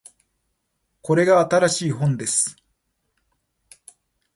これが新しい本です